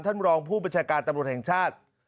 ท่านรองผู้บัญชาการตำรวจแห่งชาติ